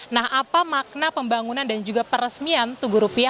nah apa makna pembangunan dan juga peresmian tugu rupiah